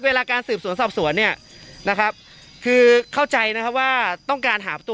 เวลาการสืบสวนสอบสวนเนี่ยนะครับคือเข้าใจนะครับว่าต้องการหาตัว